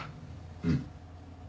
うん。